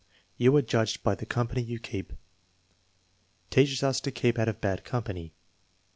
"You are judged by the company you keep." "Teaches us to keep out of bad company."